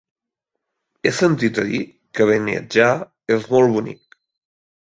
He sentit a dir que Beniatjar és molt bonic.